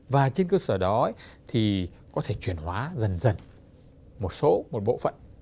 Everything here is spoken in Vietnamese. và trên cơ sở đó thì có thể chuyển hóa dần dần một số một bộ phận